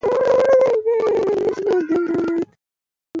عامه فینانس د دولت لخوا اداره کیږي.